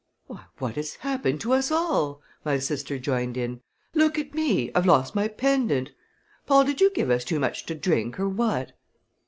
"Why, what has happened to us all!" my sister joined in. "Look at me I've lost my pendant! Paul, did you give us too much to drink, or what?"